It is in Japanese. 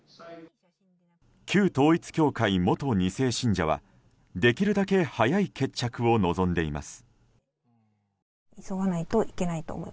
旧統一教会元２世信者はできるだけ早い決着を望んでいます。